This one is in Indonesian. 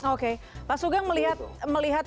oke pak sugeng melihat